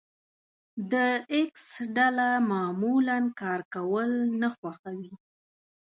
د ايکس ډله معمولا کار کول نه خوښوي.